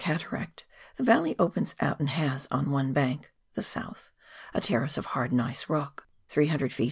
203 cataract, the valley opens out and has, on one bank (the south), a terrace of hard gneiss rock, 300 ft.